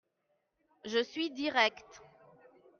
Je suis direct.